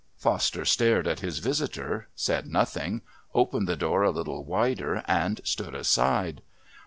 Foster stared at his visitor, said nothing, opened the door a little wider, and stood aside.